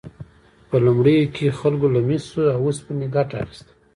په لومړیو کې خلکو له مسو او اوسپنې ګټه اخیسته.